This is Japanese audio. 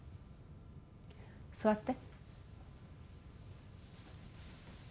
座って。